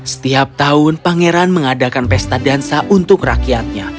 setiap tahun pangeran mengadakan pesta dansa untuk rakyatnya